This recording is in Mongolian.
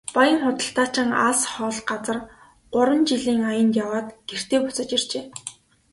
Баян худалдаачин алс хол газар гурван жилийн аянд яваад гэртээ буцаж иржээ.